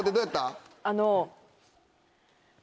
あの。